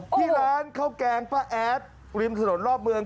ที่ร้านข้าวแกงป้าแอดริมถนนรอบเมือง